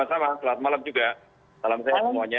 sama selamat malam juga salam sehat semuanya